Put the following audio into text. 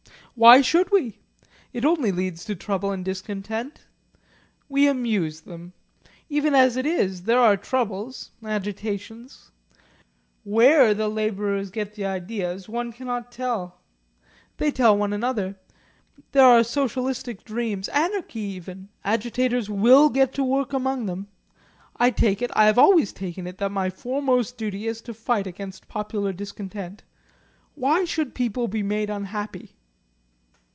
"Why should we? It only leads to trouble and discontent. We amuse them. Even as it is there are troubles agitations. Where the labourers get the ideas, one cannot tell. They tell one another. There are socialistic dreams anarchy even! Agitators will get to work among them. I take it I have always taken it that my foremost duty is to fight against popular discontent. Why should people be made unhappy?"